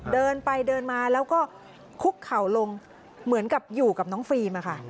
เดินไปเดินมาแล้วก็คุกเข่าลงเหมือนกับอยู่กับน้องฟิล์มค่ะ